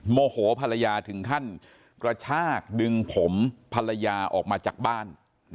โมโหภรรยาถึงขั้นกระชากดึงผมภรรยาออกมาจากบ้าน